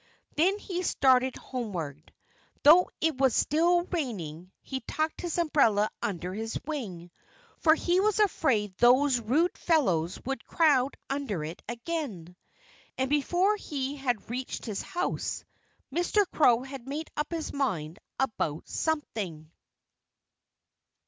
Then he started homeward. Though it was still raining, he tucked his umbrella under his wing, for he was afraid those rude fellows would crowd under it again. And before he had reached his house Mr. Crow had made up his mind about something.